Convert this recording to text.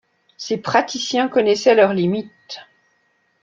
Ces praticiens connaissaient leurs limites.